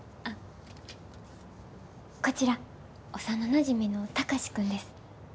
こちら幼なじみの貴司君です。